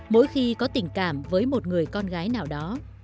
mỗi khi có tình cảm với một người con gái nào đó